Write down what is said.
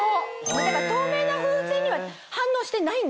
透明な風船には反応してないんですよ。